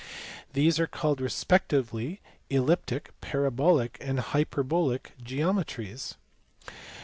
These are called respectively elliptic, parabolic, and hyperbolic geometries.